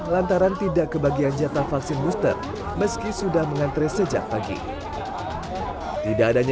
lantaran tidak kebagian jatah vaksin booster meski sudah mengantre sejak pagi tidak adanya